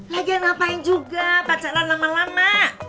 lagian ngapain juga pacaran lama lama